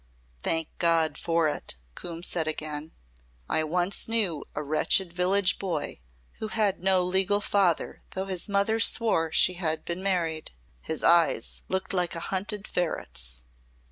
"Thank God for it," Coombe said again. "I once knew a wretched village boy who had no legal father though his mother swore she had been married. His eyes looked like a hunted ferret's.